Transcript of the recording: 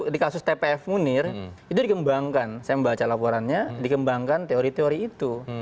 di kasus tpf munir itu dikembangkan saya membaca laporannya dikembangkan teori teori itu